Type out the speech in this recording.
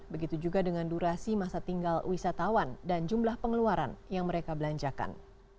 begitu juga dengan durasi masa tinggal wisatawan dan jumlah pengeluaran yang mereka belanjakan